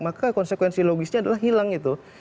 maka konsekuensi logisnya adalah hilang itu